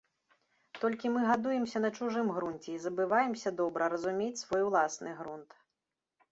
Толькі мы гадуемся на чужым грунце і забываемся добра разумець свой уласны грунт.